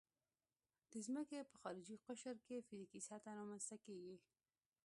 د ځمکې په خارجي قشر کې فزیکي سطحه رامنځته کیږي